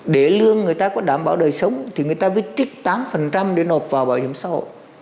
để lương người ta có đảm bảo đời sống thì người ta mới trích tám để nộp vào bảo hiểm xã hội